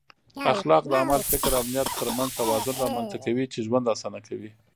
اخلاق د عمل، فکر او نیت ترمنځ توازن رامنځته کوي چې ژوند اسانه کوي.